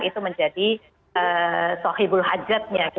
itu menjadi sohibul hajatnya